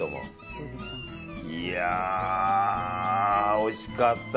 いや、おいしかった。